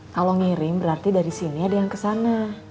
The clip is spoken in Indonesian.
kalau ngirim berarti dari sini ada yang kesana